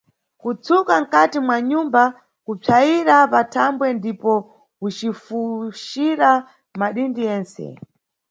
kutsuka nkati mwa nyumba, kupsayira pathambwe ndipo ucifucira madindi yentse.